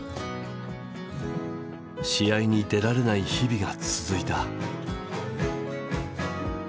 試合に出られない日々が続いた。